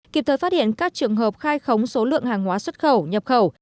kịp thời phát hiện các trường hợp khai khống số lượng hàng hóa xuất khẩu nhập khẩu